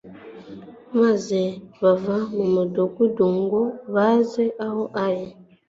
Maze bava mu mudugudu ngo baze aho ari.